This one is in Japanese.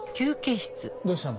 どうしたの？